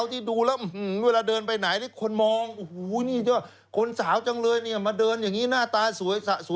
เวลาเดินไปไหนเค้าจะคิดว่าแก่งัว